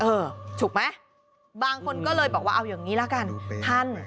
ถูกไหมบางคนก็เลยบอกว่าเอาอย่างนี้ละกันท่าน